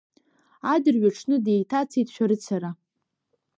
Адырҩаҽны деиҭацеит шәарыцара.